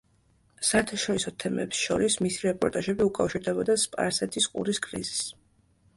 საერთაშორისო თემებს შორის მისი რეპორტაჟები უკავშირდებოდა სპარსეთის ყურის კრიზისს.